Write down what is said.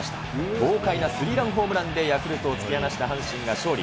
豪快なスリーランホームランでヤクルトを突き放した阪神が勝利。